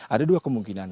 ada dua kemungkinan